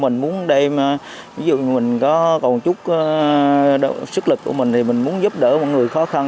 mình muốn đem ví dụ như mình có còn chút sức lực của mình thì mình muốn giúp đỡ mọi người khó khăn